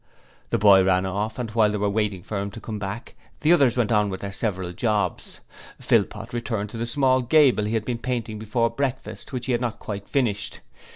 The boy ran off, and while they were waiting for him to come back the others went on with their several jobs. Philpot returned to the small gable he had been painting before breakfast, which he had not quite finished.